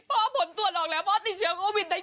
พ่อติดเชื้อโควิด